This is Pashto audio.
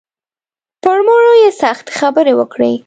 پر مړو یې سختې خبرې وکړې.